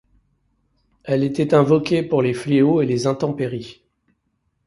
Elle était invoquée pour les fléaux et les intempéries.